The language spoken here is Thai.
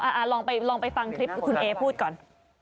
ลองไปลองไปฟังคลิปคุณเอพูดก่อน